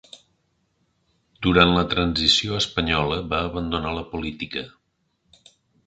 Durant la transició espanyola va abandonar la política.